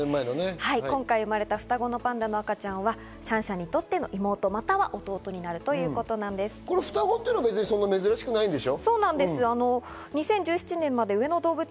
今回生まれた双子の赤ちゃんパンダはシャンシャンにとっての妹、または弟に双子ってのは珍しくないんでしょ？